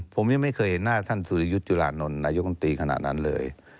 ผมยังไม่เคยเห็นหน้าท่านสุริยุทธ์จุลานนท์นายกรรมตรีขนาดนั้นเลย